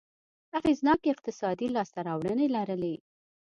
اغېزناکې اقتصادي لاسته راوړنې لرلې.